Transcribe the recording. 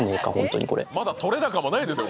まだ撮れ高もないですよ